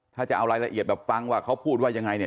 ถ้าจะเอารายละเอียดแบบฟังว่าเขาพูดว่ายังไงเนี่ย